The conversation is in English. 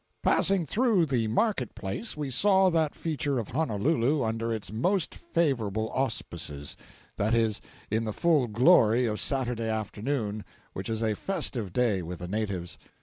Passing through the market place we saw that feature of Honolulu under its most favorable auspices—that is, in the full glory of Saturday afternoon, which is a festive day with the natives.